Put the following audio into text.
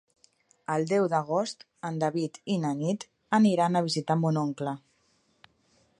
El deu d'agost en David i na Nit aniran a visitar mon oncle.